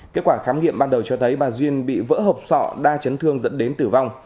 kết quả khám nghiệm ban đầu cho thấy bà duyên bị vỡ hộp sọ đa chấn thương dẫn đến tử vong